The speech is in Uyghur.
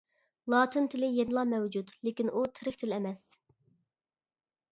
لاتىن تىلى يەنىلا مەۋجۇت، لېكىن ئۇ تىرىك تىل ئەمەس.